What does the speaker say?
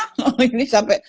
oh ini sampai